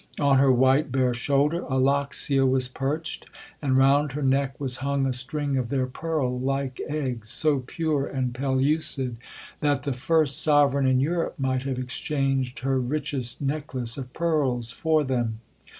On her white bare shoulder a loxia was perched, and round her neck was hung a string of their pearl—like eggs, so pure and pellucid, that the first sovereign in Europe might have exchanged her richest necklace of pearls for them.